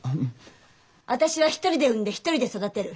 私は１人で産んで１人で育てる。